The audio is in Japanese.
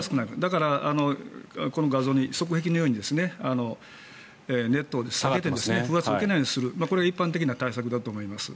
だからこの側壁のようにネットを下げて風圧を受けないようにするこれは一般的な対策だと思います。